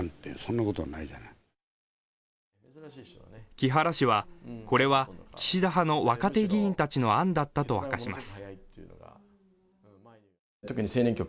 木原氏は、これは岸田派の若手議員たちの案だったと明かします。